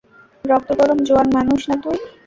রক্তগরম জোয়ান মানুষ না তুই?